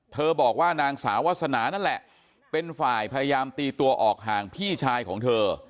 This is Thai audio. บอกว่านางสาววาสนานั่นแหละเป็นฝ่ายพยายามตีตัวออกห่างพี่ชายของเธอ